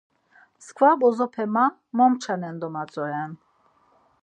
Mskva bozope ma momçanoren domatzonen.